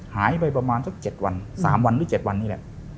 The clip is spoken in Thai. หายไปประมาณสัก๗วัน๓วันหรือ๗วันนี้แหละ